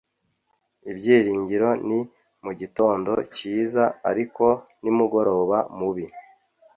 ibyiringiro ni mugitondo cyiza, ariko nimugoroba mubi.